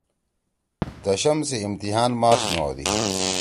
دشم سی امتحان مارچ می ہودی۔